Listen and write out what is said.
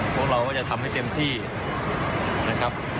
ของเราก็จะทำให้เต็มที่นะครับ